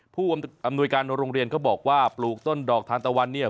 ผู้อำนวยการโรงเรียนเขาบอกว่าปลูกต้นดอกทานตะวันเนี่ย